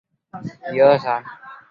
曾任英国皇家海军后备队中校。